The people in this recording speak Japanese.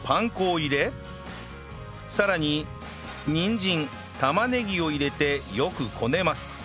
さらににんじん玉ねぎを入れてよくこねます